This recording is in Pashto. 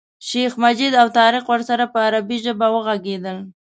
شیخ مجید او طارق ورسره په عربي ژبه وغږېدل.